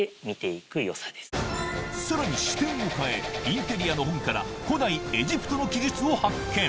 さらに視点を変えインテリアの本から古代エジプトの記述を発見